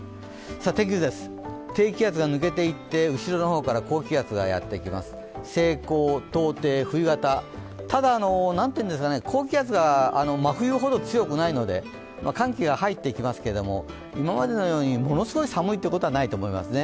天気図です、低気圧が抜けていって後ろの方から高気圧がやってきます、西高東低冬型、ただ、高気圧が真冬ほど強くないので寒気が入ってきますが、今までのようにものすごい寒いということはないと思いますね。